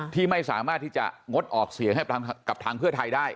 ที่ไม่สามารถที่จะงดออกเสียงให้กับทางเพื่อไทยได้